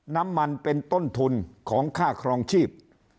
น้ำมันเป็นต้นทุนของค่าครองชีพ